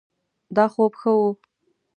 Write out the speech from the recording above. دا خوب ښه ؤ